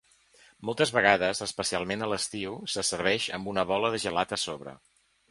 Moltes vegades, especialment a l'estiu, se serveix amb una bola de gelat a sobre.